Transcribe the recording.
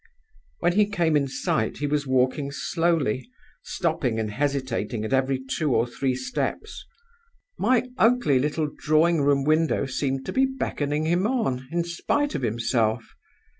"When he came in sight he was walking slowly, stopping and hesitating at every two or three steps. My ugly little drawing room window seemed to be beckoning him on in spite of himself.